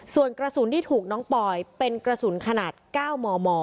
ส่วนกระสุนที่ถูกน้องปอยเป็นกระสุนขนาด๙มม